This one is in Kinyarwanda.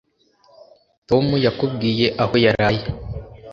Tom yakubwiye aho yaraye